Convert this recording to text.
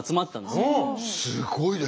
すごいね。